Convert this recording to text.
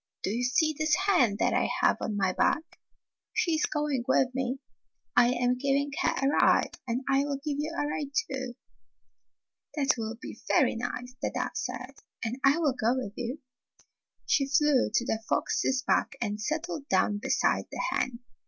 " Do you see this hen that I have on my back? She is going with me. I am giving her a ride, and I will give you a ride, too." "That will be very nice," the dove said, "and I will go with you." She flew to the fox's back and settled down beside the hen.